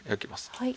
はい。